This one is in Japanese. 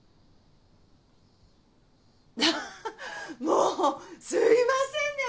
もうすいませんね